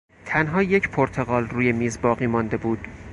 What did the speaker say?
تنها یک پرتقال روی میز باقی مانده بود.